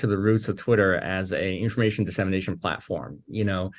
dan kembali ke asal twitter sebagai platform platform penyelesaian informasi